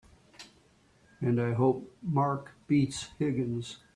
And I hope Mark beats Higgins!